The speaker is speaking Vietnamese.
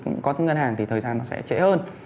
cũng có ngân hàng thì thời gian nó sẽ trễ hơn